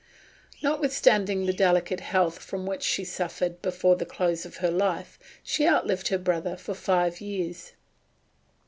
Notwithstanding the delicate health from which she suffered before the close of her life, she outlived her brother for five years.